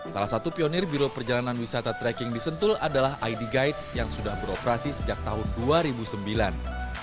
salah satu pionir biro perjalanan wisata trekking di sentul adalah id guides yang sudah beroperasi sejak tahun dua ribu sembilan